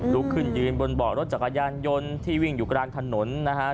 ลุกขึ้นยืนบนเบาะรถจักรยานยนต์ที่วิ่งอยู่กลางถนนนะฮะ